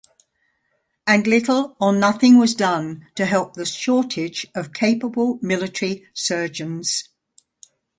And little or nothing was done to help the shortage of capable military surgeons.